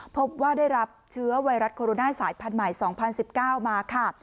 พบว่าได้รับเชื้อไวรัสโคโรนาสายพันธุ์ใหม่๒๐๑๙มาค่ะ